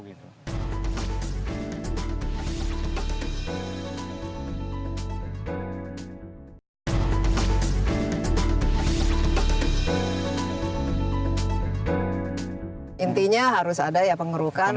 intinya harus ada ya pengerukan